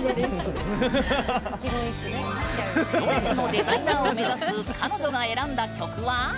ドレスのデザイナーを目指す彼女が選んだ曲は？